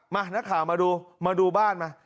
มานักข่าวมาดูมาดูบ้านมา